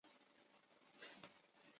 香港回归后任行政会议召集人。